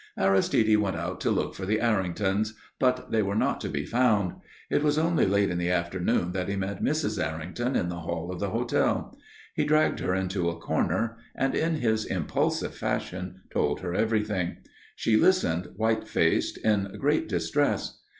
Aristide went out to look for the Erringtons. But they were not to be found. It was only late in the afternoon that he met Mrs. Errington in the hall of the hotel. He dragged her into a corner and in his impulsive fashion told her everything. She listened white faced, in great distress.